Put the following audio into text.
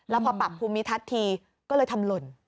แล้วพอปรับภูมิทัศน์ทีก็เลยทำหล่น